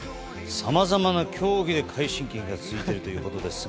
さまざまな競技で快進撃が続いているということですが。